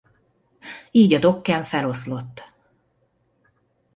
Így a Dokken feloszlott.